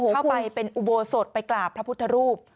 เข้าไปเป็นอุโบสถไปกราบพระพุทธรูป